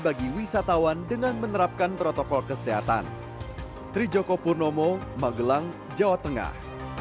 bagi wisatawan dengan menerapkan protokol kesehatan trijoko purnomo magelang jawa tengah